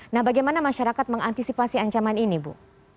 nah bagaimana masyarakat mengantisipasi ancaman ini bu